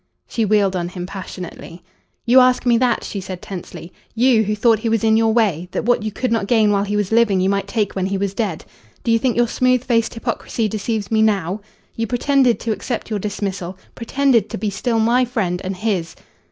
She wheeled on him passionately. "You ask me that?" she said tensely. "You who thought he was in your way that what you could not gain while he was living you might take when he was dead. Do you think your smooth faced hypocrisy deceives me now? You pretended to accept your dismissal, pretended to be still my friend and his."